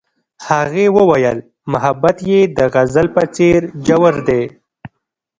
هغې وویل محبت یې د غزل په څېر ژور دی.